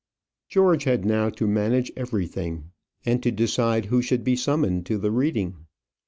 George had now to manage everything, and to decide who should be summoned to the reading.